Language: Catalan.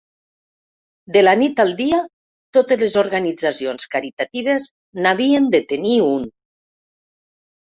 De la nit al dia, totes les organitzacions caritatives n'havien de tenir un.